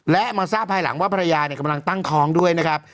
และมาทราบภายหลังว่าภรรยากำลังตั้งท้องด้วยนะครับ